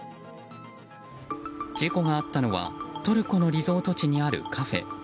事故があったのはトルコのリゾート地にあるカフェ。